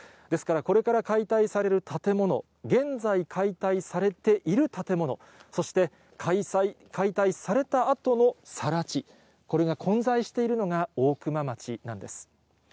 ですからこれから解体される建物、現在解体されている建物、そして、解体されたあとのさら地、これが混在しているのが大熊町なんです。